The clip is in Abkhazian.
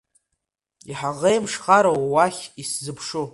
Иҳаӷеимшхароу уахь исзыԥшу?